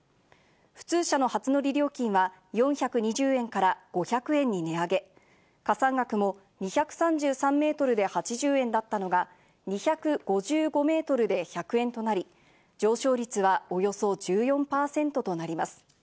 普通車の初乗り料金は４２０円５００円に値上げ、加算額も２３３メートルで８０円だったのが、２５５メートルで１００円となり、上昇率はおよそ１４％となります。